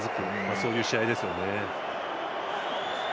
そういう試合ですよね。